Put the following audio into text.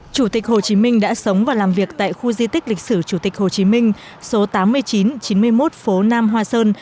chủ tịch hồ chí minh đã sống và làm việc tại khu di tích lịch sử chủ tịch hồ chí minh số tám nghìn chín trăm chín mươi một phố nam hoa sơn